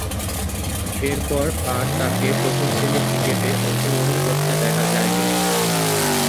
এরপর আর তাকে প্রথম-শ্রেণীর ক্রিকেটে অংশগ্রহণ করতে দেখা যায়নি।